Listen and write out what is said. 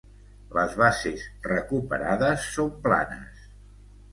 Les bases recuperades són planes.